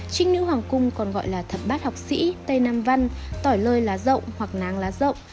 trinh nữ hoàng cung còn gọi là thật bát học sĩ tây nam văn tỏi lơi lá rộng hoặc náng lá rộng